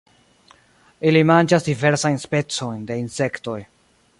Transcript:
Ili manĝas diversajn specojn de insektoj.